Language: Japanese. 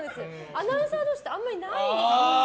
アナウンサー同士ってあんまりないんです。